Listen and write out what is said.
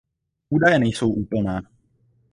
Údaje nejsou úplné.